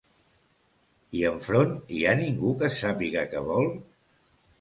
I enfront, hi ha ningú que sàpiga què vol?